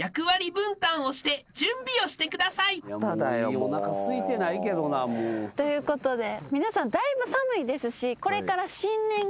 おなかすいてないけどな。ということで皆さんだいぶ寒いですし。